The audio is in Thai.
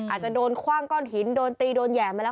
อาจจะโดนคว่างก้อนหินโดนตีโดนแห่มาแล้ว